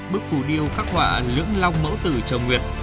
bức phù điêu khắc họa lưỡng long mẫu tử trồng nguyệt